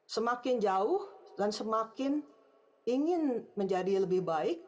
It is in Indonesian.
semakin jauh dan semakin ingin menjadi lebih baik